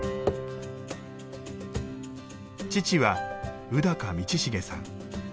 父は宇高通成さん。